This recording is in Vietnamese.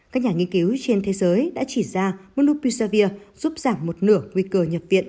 các nhà nghiên cứu trên thế giới đã chỉ ra mupisavir giúp giảm một nửa nguy cơ nhập viện